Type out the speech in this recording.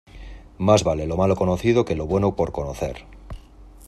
Más vale lo malo conocido que lo bueno por conocer.